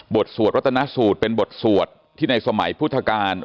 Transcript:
สวดรัตนสูตรเป็นบทสวดที่ในสมัยพุทธกาล